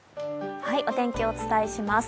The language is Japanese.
お天気をお伝えします。